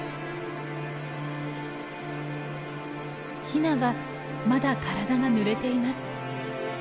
ヒナはまだ体がぬれています。